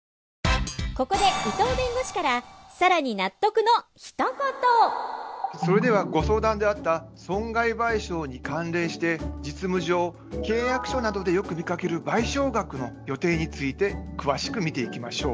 ここでそれではご相談であった損害賠償に関連して実務上契約書などでよく見かける賠償額の予定について詳しく見ていきましょう。